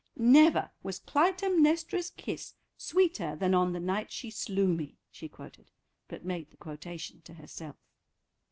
"Never was Clytemnestra's kiss sweeter than on the night she slew me," she quoted, but made the quotation to herself.